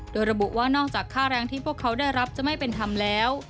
โดยระบุว่านอกจากค่าแรงที่พวกเขาได้รับจะไม่เป็นธรรมแล้ว